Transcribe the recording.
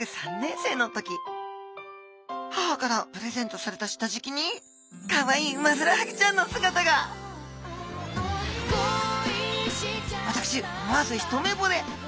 母からプレゼントされた下じきにかわいいウマヅラハギちゃんの姿が私思わず一目ぼれ。